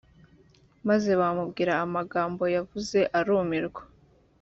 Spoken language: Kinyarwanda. maze bamubwira amagambo yavuze arumirwa